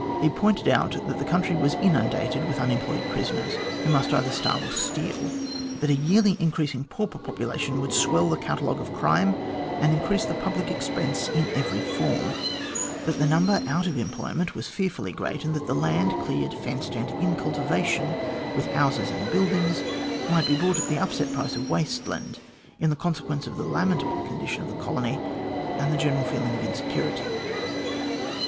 He pointed out that the country was inundated with unemployed prisoners, who must either starve or steal; that a yearly increasing pauper population would swell the catalogue of crime and increase the public expense in every form ; that the number out of employment was fearfully great, and that land cleared, fenced, and in cultivation, with houses and build ings might be bought at the upset price of waste land, in consequence of the lamentable condition of the colony and the general feeling of insecurity.